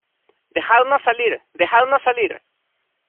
¡ dejadnos salir! ¡ dejadnos salir !